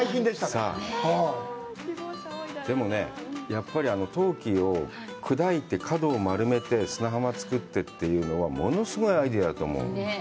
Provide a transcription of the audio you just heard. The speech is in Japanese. さあ、でもね、やっぱり陶器を砕いて、角を丸めて砂浜を作ってというのは、物すごいアイデアだと思う。